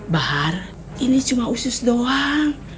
bahar ini cuma usus doang